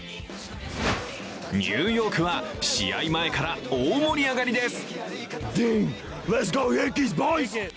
ニューヨークは試合前から大盛り上がりです。